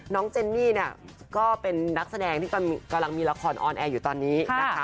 เจนนี่เนี่ยก็เป็นนักแสดงที่กำลังมีละครออนแอร์อยู่ตอนนี้นะคะ